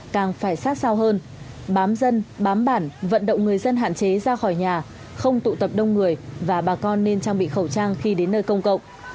càng phải sát sao hơn bám dân bám bản vận động người dân hạn chế ra khỏi nhà không tụ tập đông người và bà con nên trang bị khẩu trang khi đến nơi công cộng